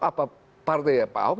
apa partai pak ahok